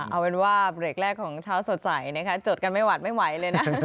เอาเป็นว่าเบรกแรกของเช้าสดใสนะคะจดกันไม่หวัดไม่ไหวเลยนะ